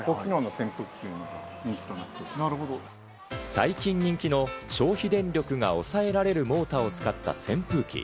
最近人気の消費電力が抑えられるモーターを使った扇風機。